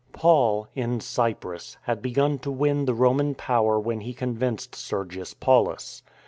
Paul, in Cyprus, had begun to win the Roman power when he convinced Sergius Paulus.